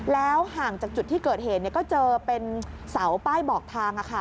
แล้วห่างจากจุดที่เกิดเหตุก็เจอเป็นเสาป้ายบอกทาง